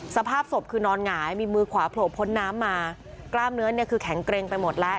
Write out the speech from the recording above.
สภาพศพคือนอนหงายมีมือขวาโผล่พ้นน้ำมากล้ามเนื้อเนี่ยคือแข็งเกร็งไปหมดแล้ว